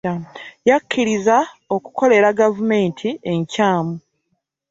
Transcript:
Yakkiriza okukolera gavumenti enkyamu